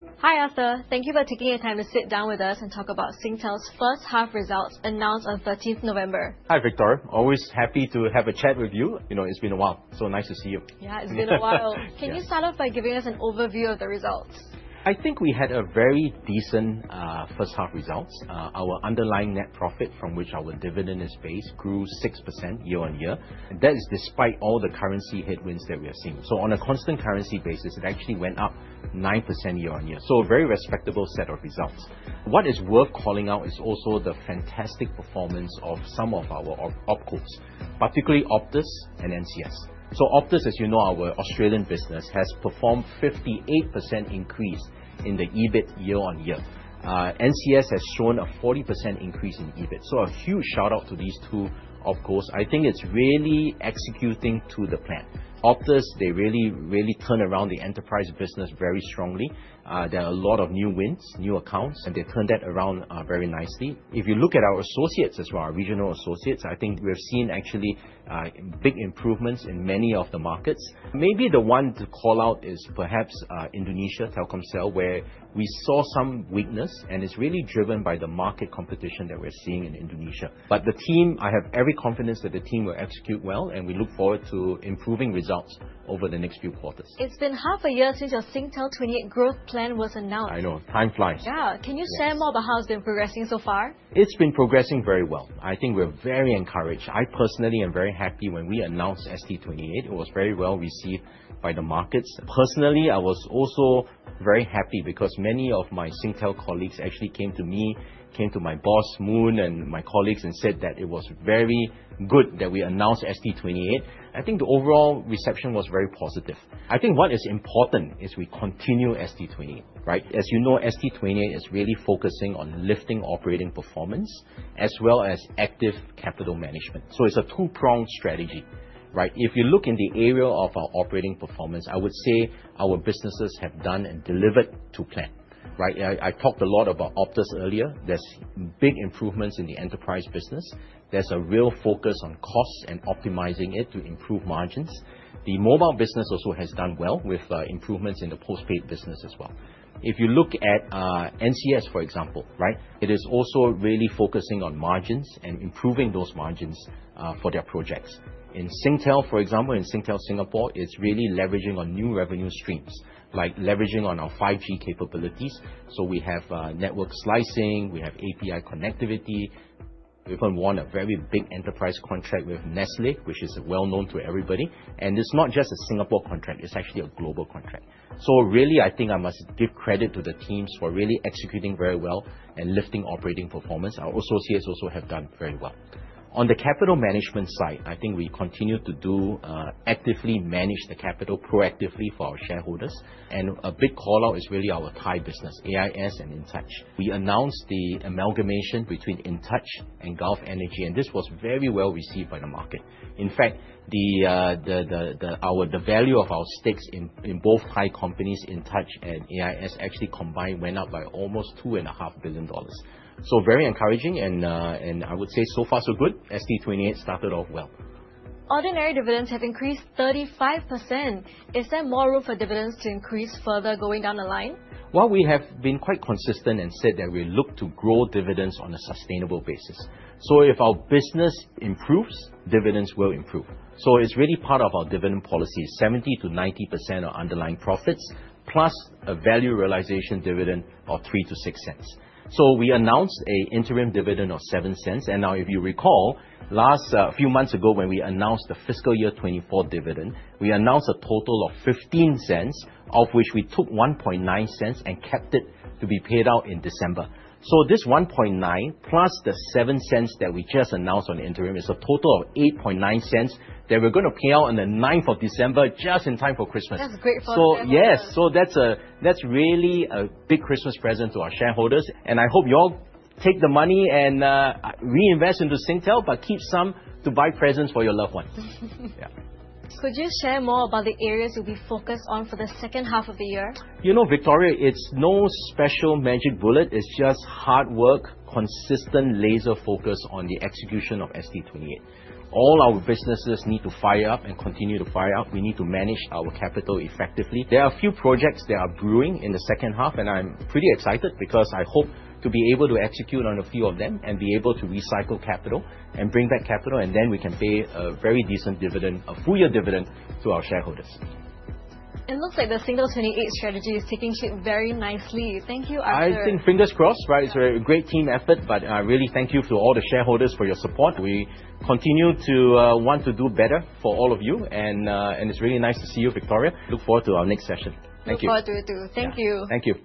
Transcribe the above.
Hi, Arthur. Thank you for taking the time to sit down with us and talk about Singtel's first half results announced on 13th November. Hi, Victoria. Always happy to have a chat with you. It's been a while. Nice to see you. Yeah, it's been a while. Yeah. Can you start off by giving us an overview of the results? I think we had a very decent first half results. Our underlying net profit, from which our dividend is based, grew 6% year-on-year. That is despite all the currency headwinds that we are seeing. On a constant currency basis, it actually went up 9% year-on-year. A very respectable set of results. What is worth calling out is also the fantastic performance of some of our opcos, particularly Optus and NCS. Optus, as you know, our Australian business, has performed 58% increase in the EBIT year-on-year. NCS has shown a 40% increase in EBIT. A huge shout-out to these two opcos. I think it's really executing to the plan. Optus, they really turn around the enterprise business very strongly. There are a lot of new wins, new accounts, and they turn that around very nicely. If you look at our associates as well, our regional associates, I think we've seen actually big improvements in many of the markets. Maybe the one to call out is perhaps Indonesia, Telkomsel, where we saw some weakness, and it's really driven by the market competition that we're seeing in Indonesia. The team, I have every confidence that the team will execute well, and we look forward to improving results over the next few quarters. It's been half a year since your ST28 growth plan was announced. I know. Time flies. Yeah. Yes. Can you share more about how it's been progressing so far? It's been progressing very well. I think we're very encouraged. I personally am very happy when we announced ST28. It was very well-received by the markets. Personally, I was also very happy because many of my Singtel colleagues actually came to me, came to my boss, Moon, and my colleagues and said that it was very good that we announced ST28. I think the overall reception was very positive. I think what is important is we continue ST28, right? As you know, ST28 is really focusing on lifting operating performance as well as active capital management. It's a two-pronged strategy. If you look in the area of our operating performance, I would say our businesses have done and delivered to plan. I talked a lot about Optus earlier. There's big improvements in the enterprise business. There's a real focus on costs and optimizing it to improve margins. The mobile business also has done well with improvements in the postpaid business as well. If you look at NCS, for example, it is also really focusing on margins and improving those margins for their projects. In Singtel, for example, in Singtel Singapore, it's really leveraging on new revenue streams, like leveraging on our 5G capabilities. We have network slicing, we have API connectivity. We even won a very big enterprise contract with Nestlé, which is well-known to everybody. It's not just a Singapore contract, it's actually a global contract. Really, I think I must give credit to the teams for really executing very well and lifting operating performance. Our associates also have done very well. On the capital management side, I think we continue to actively manage the capital proactively for our shareholders. A big call-out is really our Thai business, AIS and Intouch. We announced the amalgamation between Intouch and Gulf Energy, this was very well received by the market. In fact, the value of our stakes in both Thai companies, Intouch and AIS, actually combined went up by almost 2.5 billion dollars. Very encouraging and I would say so far so good. ST28 started off well. Ordinary dividends have increased 35%. Is there more room for dividends to increase further going down the line? We have been quite consistent and said that we look to grow dividends on a sustainable basis. If our business improves, dividends will improve. It's really part of our dividend policy, 70%-90% of underlying profits, plus a value realization dividend of 0.03-0.06. We announced an interim dividend of 0.07. Now if you recall, a few months ago when we announced the FY 2024 dividend, we announced a total of 0.15, of which we took 0.019 and kept it to be paid out in December. This 0.019 plus the 0.07 that we just announced on the interim is a total of 0.089 that we're going to pay out on the 9th of December just in time for Christmas. That's great for the family. Yes. That's really a big Christmas present to our shareholders, and I hope you all take the money and reinvest into Singtel, but keep some to buy presents for your loved ones. Yeah. Could you share more about the areas you'll be focused on for the second half of the year? You know, Victoria, it's no special magic bullet. It's just hard work, consistent laser focus on the execution of ST28. All our businesses need to fire up and continue to fire up. We need to manage our capital effectively. There are a few projects that are brewing in the second half, and I'm pretty excited because I hope to be able to execute on a few of them and be able to recycle capital and bring back capital, and then we can pay a very decent dividend, a full year dividend to our shareholders. It looks like the Singtel 28 Strategy is taking shape very nicely. Thank you, Arthur. I think fingers crossed, right? It's a great team effort, I really thank you to all the shareholders for your support. We continue to want to do better for all of you, it's really nice to see you, Victoria. Look forward to our next session. Thank you. Look forward to it, too. Thank you. Thank you.